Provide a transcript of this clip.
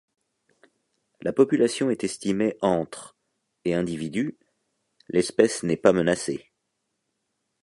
La population est estimée entre et individus, l'espèce n'est pas menacée.